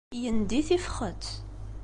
Yendi tifxet.